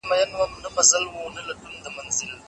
خورما په ځمکه باندې نه وه غورځیدلې.